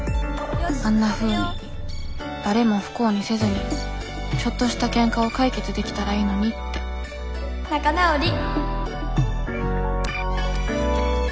あんなふうに誰も不幸にせずにちょっとしたケンカを解決できたらいいのにって仲直り。